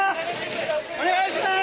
お願いします！